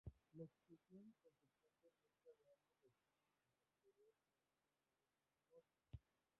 La expulsión y consecuente mezcla de ambos reactivos en el exterior producen nubes luminosas.